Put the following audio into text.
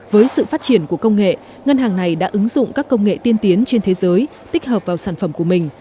với sự phát triển của công nghệ ngân hàng này đã ứng dụng các công nghệ tiên tiến trên thế giới tích hợp vào sản phẩm của mình